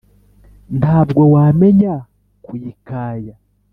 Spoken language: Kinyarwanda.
Nta bwo wamenya kuyikaya